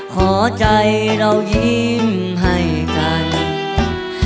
ขอใจเรายิ้มให้เรื่องเมือง